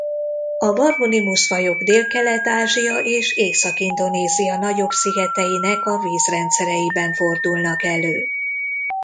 A Barbonymus-fajok Délkelet-Ázsia és Észak-Indonézia nagyobb szigeteinek a vízrendszereiben fordulnak elő.